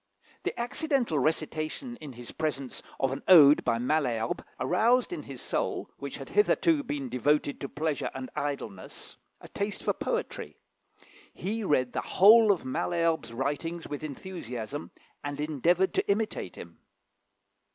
The accidental recitation in his presence of an ode by Malherbe aroused in his soul, which had hitherto been devoted to pleasure and idleness, a taste for poetry. He read the whole of Malherbe's writings with enthusiasm, and endeavoured to imitate him.